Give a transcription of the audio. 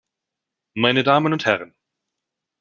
Meine Damen und Herren!